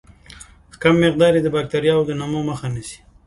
کم مقدار یې د باکتریاوو د نمو مخه نیسي.